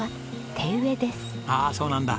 ああそうなんだ。